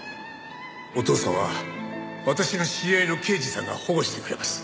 お父さんは私の知り合いの刑事さんが保護してくれます。